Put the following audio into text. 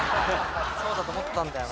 そうだと思ったんだよな。